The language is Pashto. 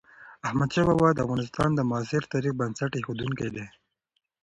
احمدشاه بابا د افغانستان د معاصر تاريخ بنسټ اېښودونکی دی.